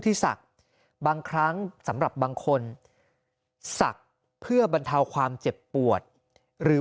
ศักดิ์บางครั้งสำหรับบางคนศักดิ์เพื่อบรรเทาความเจ็บปวดหรือ